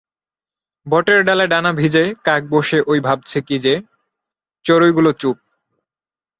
বটের ডালে ডানা ভিজেকাক বসে ওই ভাবছে কী যে, চড়ুইগুলো চুপ।